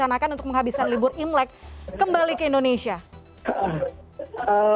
bagaimana kan untuk menghabiskan libur imlek kembali ke indonesia